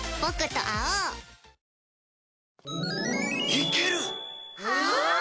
いける！は？